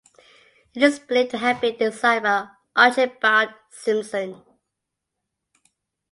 It is believed to have been designed by Archibald Simpson.